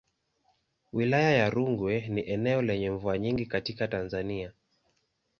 Wilaya ya Rungwe ni eneo lenye mvua nyingi katika Tanzania.